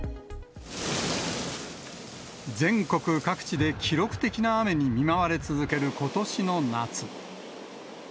全国各地で記録的な雨に見舞われ続けることしの夏。